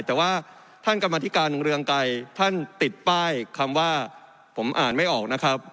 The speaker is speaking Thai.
แต่ว่าท่านกรรมธิการเรืองไกรท่านติดป้ายคำว่าผมอ่านไม่ออกนะครับ